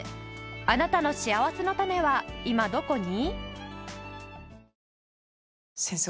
あなたのしあわせのたねは今どこに？